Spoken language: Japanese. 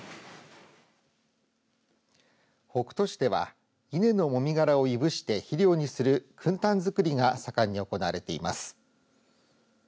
北斗市では稲のもみ殻をいぶして肥料にするくん炭づくりが盛んに行われています。